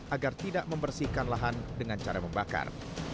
agar tidak membersihkan lahan dengan cara membakar